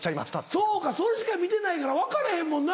そうかそれしか見てないから分かれへんもんな。